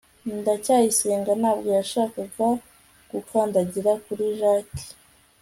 ndacyayisenga ntabwo yashakaga gukandagira kuri jaki